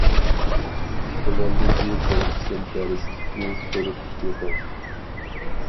تۆۋەندىكى بىر قىسىم دەرسلىكنى كۆرۈپ بېقىڭ.